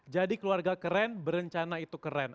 jadi keluarga keren berencana itu keren